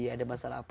ada masalah apa sih